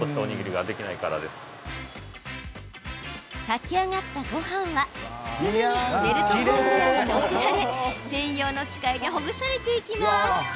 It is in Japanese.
炊き上がったごはんは、すぐにベルトコンベヤーに載せられ専用の機械でほぐされていきます。